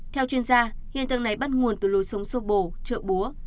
theo chuyên gia hiện tượng này bắt nguồn từ lối sống xô bồ trợ búa